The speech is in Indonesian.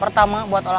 pertama buat olahraga